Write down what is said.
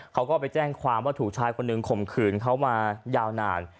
เขาก็ไปแจ้งความว่าถูกชายคนหนึ่งข่มขืนเขามายาวนาน